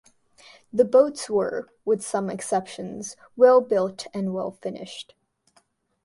The boats were (with some exceptions) well built and well finished.